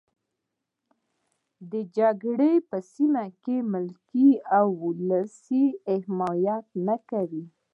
د جګړې په سیمه کې ملکي او ولسي حمایت نه کوي.